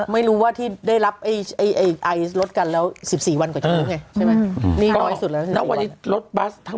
มีผู้ใกล้ชิดเยอะ